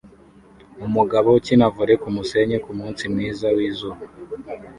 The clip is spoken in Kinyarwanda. Umugabo ukina volley kumusenyi kumunsi mwiza wizuba